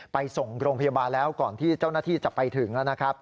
ไปส่งโรงพยาบาลแล้วก่อนที่เจ้าหน้าที่จะไปถึงนะครับ